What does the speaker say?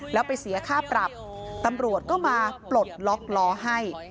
แล้วไปเสียค่าปรับตำรวจก็มาปลดล็อกล้อให้